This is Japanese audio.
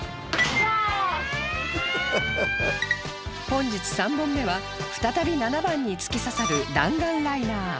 本日３本目は再び７番に突き刺さる弾丸ライナー